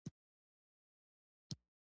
پاکه هوا د انسان روغتيا ته ډېره مهمه ده.